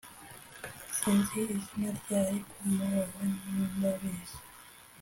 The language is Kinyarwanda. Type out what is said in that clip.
sinzi izina rye, ariko umubabaro we ndabizi;